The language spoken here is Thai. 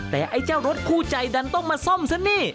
แต่ไอ้เจ้ารถคู่ใจดันต้องมาซ่อมซะนี่